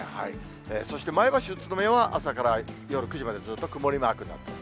そして前橋、宇都宮は朝から夜９時までずっと曇りマークになっています。